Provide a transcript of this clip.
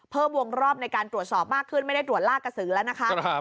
วงรอบในการตรวจสอบมากขึ้นไม่ได้ตรวจลากกระสือแล้วนะคะ